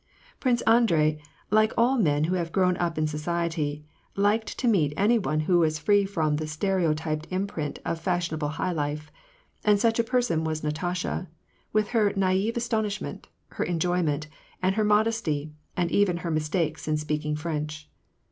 Prince Andrei, like all men who have grown up in society, liked to meet any one who was free from the stereotyped imprint of fashionable high life ; and such a person was Na tasha, with her 7iaiiie astonishment, her enjoyment, and her modesty, and even her mistakes in speaking French.